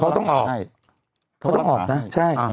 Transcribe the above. เขาต้องออกนะใช่